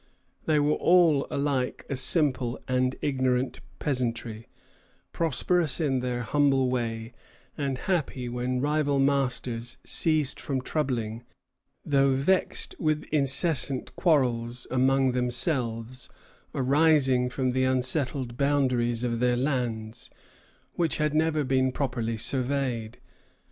They were all alike a simple and ignorant peasantry, prosperous in their humble way, and happy when rival masters ceased from troubling, though vexed with incessant quarrels among themselves, arising from the unsettled boundaries of their lands, which had never been properly surveyed.